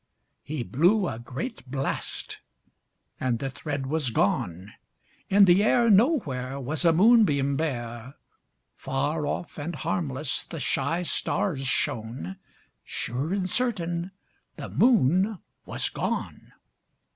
He blew a great blast, and the thread was gone. In the air Nowhere Was a moonbeam bare; Far off and harmless the shy stars shone ŌĆö Sure and certain the Moon was gone!